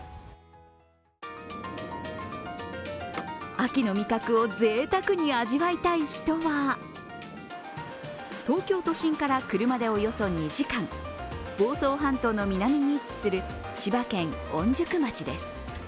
秋の味覚をぜいたくに味わいたい人は東京都心から車でおよそ２時間、房総半島の南に位置する千葉県御宿町です。